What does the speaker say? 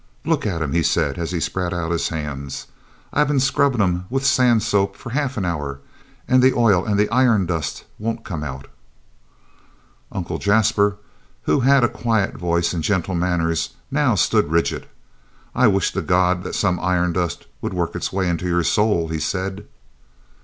"Look at 'em!" he said as he spread out his hands. "I been scrubbin' 'em with sand soap for half an hour, and the oil and the iron dust won't come out." Uncle Jasper, who had a quiet voice and gentle manners, now stood rigid. "I wisht to God that some iron dust would work its way into your soul," he said.